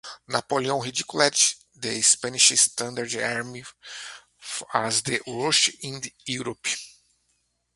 Napoleon ridiculed the Spanish standard army as "the worst in Europe".